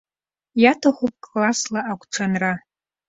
Иаҭахуп классла агәҽанра.